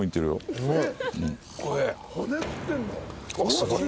すごい。